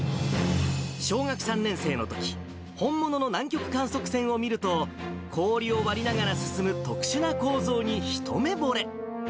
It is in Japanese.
小学３年生のとき、本物の南極観測船を見ると、氷を割りながら進む特殊な構造に一目ぼれ。